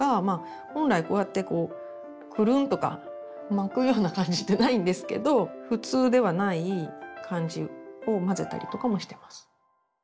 本来こうやってこうクルンとか巻くような感じでないんですけど普通ではない感じをまぜたりとかもしてます。